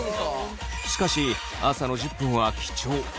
しかし朝の１０分は貴重。